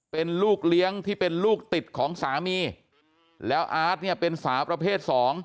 เป็นลูกเลี้ยงที่เป็นลูกติดของสามีแล้วอาร์ตเนี่ยเป็นสาวประเภท๒